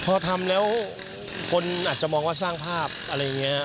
พอทำแล้วคนอาจจะมองว่าสร้างภาพอะไรอย่างนี้